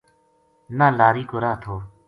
نہ لاری کو راہ تھو